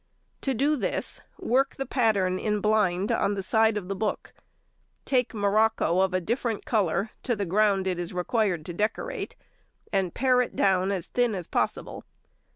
To do this, work the pattern in blind on the side of the book; take morocco of a different colour to the ground it is required to decorate, and pare it down as thin as possible.